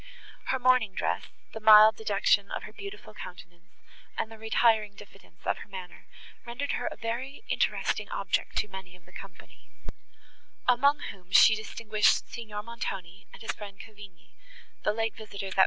Her mourning dress, the mild dejection of her beautiful countenance, and the retiring diffidence of her manner, rendered her a very interesting object to many of the company; among whom she distinguished Signor Montoni, and his friend Cavigni, the late visitors at M.